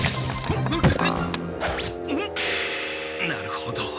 んなるほど。